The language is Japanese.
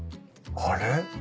あれ？